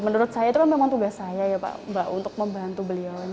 menurut saya itu kan memang tugas saya ya pak untuk membantu beliau